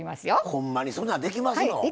ほんまにそんなんできますのん？